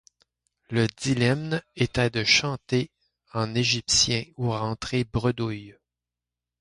Le dilemme étant de chanter en égyptien ou rentrer bredouille.